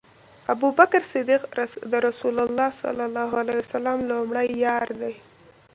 ابوبکر صديق د رسول الله صلی الله عليه وسلم لومړی یار دی